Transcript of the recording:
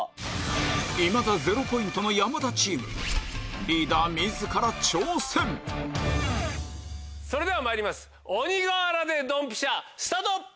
いまだ０ポイントの山田チームそれではまいります鬼瓦ｄｅドンピシャスタート！